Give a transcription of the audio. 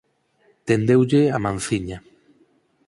Tendeulle a manciña.